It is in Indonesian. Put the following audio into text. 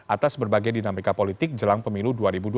atas berbagai dinamika politik jelang pemilu dua ribu dua puluh